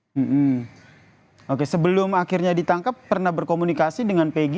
hmm oke sebelum akhirnya ditangkap pernah berkomunikasi dengan pegi